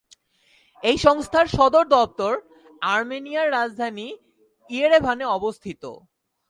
এই সংস্থার সদর দপ্তর আর্মেনিয়ার রাজধানী ইয়েরেভানে অবস্থিত।